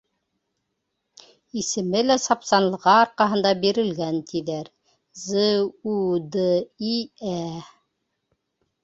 Исеме лә сапсанлығы арҡаһында бирелгән, тиҙәр: З-ү-д-и-ә!